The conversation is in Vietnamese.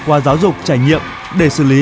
qua giáo dục trải nghiệm để xử lý